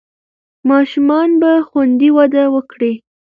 ماشومان به خوندي وده وکړي.